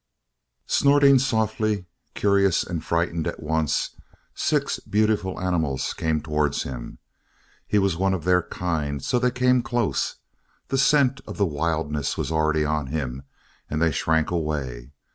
Snorting softly, curious and frightened at once, six beautiful animals came towards him. He was one of their kind, so they came close; the scent of the wilderness was already on him, and they shrank away.